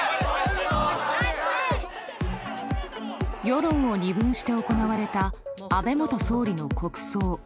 世論を二分して行われた安倍元総理の国葬。